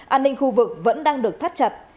an ninh khu vực vẫn đang được thắt chặt